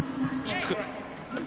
キック。